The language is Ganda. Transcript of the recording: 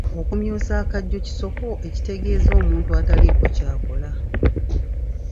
Okumyusa agajjo kisoko ekitegeeza omuntu ataliiko ky'akola.